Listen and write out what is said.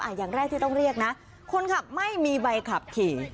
อย่างแรกที่ต้องเรียกนะคนขับไม่มีใบขับขี่